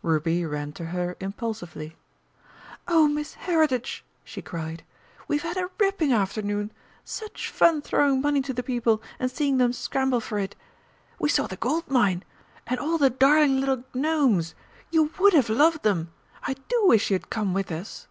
Ruby ran to her impulsively: "Oh, Miss Heritage!" she cried, "we've had a ripping afternoon. Such fun throwing money to the people, and seeing them scramble for it! We saw the Gold Mine. And all the darling little Gnomes! You would have loved them! I do wish you had come with us!"